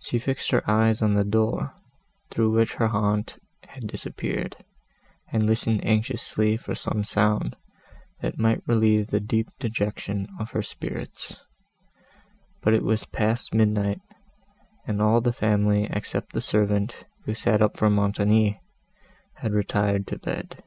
She fixed her eyes on the door, through which her aunt had disappeared, and listened anxiously for some sound, that might relieve the deep dejection of her spirits; but it was past midnight, and all the family except the servant, who sat up for Montoni, had retired to bed.